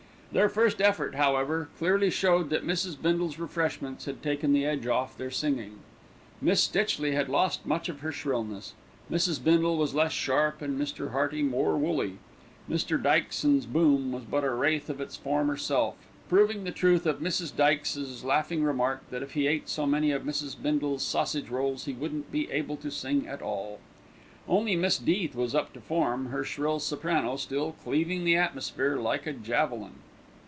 Their first effort, however, clearly showed that Mrs. Bindle's refreshments had taken the edge off their singing. Miss Stitchley had lost much of her shrillness, Mrs. Bindle was less sharp and Mr. Hearty more woolly. Mr. Dykes's boom was but a wraith of its former self, proving the truth of Mrs. Dykes's laughing remark that if he ate so many of Mrs. Bindle's sausage rolls he wouldn't be able to sing at all. Only Miss Death was up to form, her shrill soprano still cleaving the atmosphere like a javelin.